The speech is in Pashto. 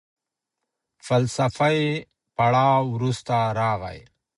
فلسفي پړاو وروسته راغی.